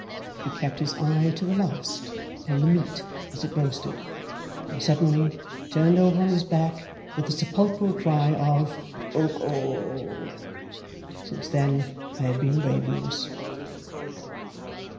He kept his eye to the last upon the meat as it roasted, and suddenly turned over on his back with a sepulchral cry of 'Cuckoo!' Since then I have been ravenless.